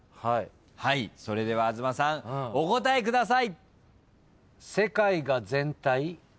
それでは東さんお答えください。